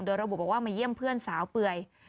โดยระบุบอกว่ามาเยี่ยมเพื่อนสาวเปื่อย